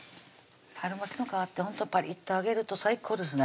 春巻きの皮ってほんとパリッと揚げると最高ですね